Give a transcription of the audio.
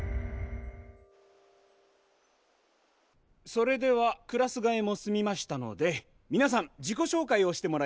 それではクラスがえも済みましたのでみなさん自己紹介をしてもらいます。